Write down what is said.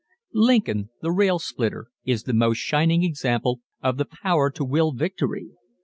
Lincoln, the rail splitter, is the most shining example of the power to will victory.